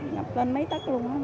ngập lên mấy tắc luôn